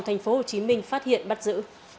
tp hcm phát hiện bắt giữ